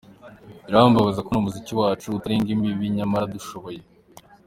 Birambabaza kubona umuziki wacu utarenga imbibi myamara dushoboye.